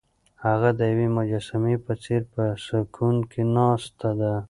هغه د یوې مجسمې په څېر په سکون کې ناسته ده.